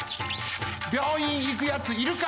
病院いくやついるか？